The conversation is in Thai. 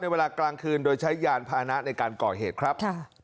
เวลากลางคืนโดยใช้ยานพานะในการก่อเหตุครับ